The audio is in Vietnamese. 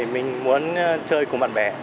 mình muốn chơi cùng bạn bè